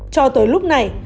cho tới lúc này